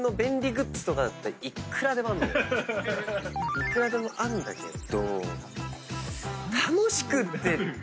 いくらでもあんだけど。